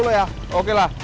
sepuluh ya okelah